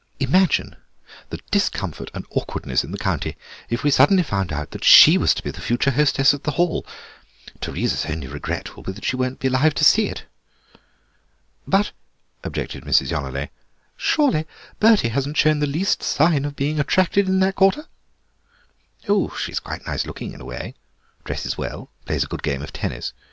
Imagine the discomfort and awkwardness in the county if we suddenly found that she was to be the future hostess at the Hall. Teresa's only regret will be that she won't be alive to see it." "But," objected Mrs. Yonelet, "surely Bertie hasn't shown the least sign of being attracted in that quarter?" "Oh, she's quite nice looking in a way, and dresses well, and plays a good game of tennis.